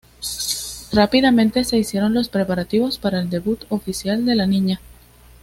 Rápidamente se hicieron los preparativos para el debut oficial de la niña.